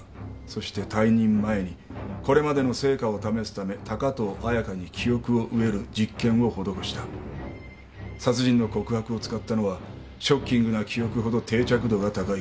「そして退任前にこれまでの成果を試すため高遠綾香に記憶を植える実験を施した」「殺人の告白を使ったのはショッキングな記憶ほど定着度が高いからだ」